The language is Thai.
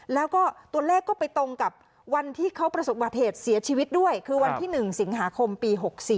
แล้วก็ตัวเลขก็ไปตรงกับวันที่เขาประสบบัติเหตุเสียชีวิตด้วยคือวันที่๑สิงหาคมปี๖๔